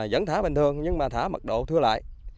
vẫn thả bình thường nhưng mà thả mật độ thưa lại